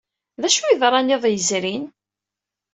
D acu ay yeḍran iḍ yezrin?